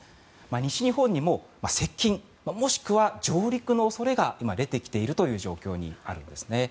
西日本にも接近もしくは上陸の恐れが今出てきているという状況にあるんですね。